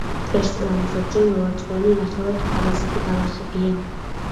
ერთწლოვანი, ზოგჯერ მრავალწლოვანი ნახევრად პარაზიტი ბალახებია.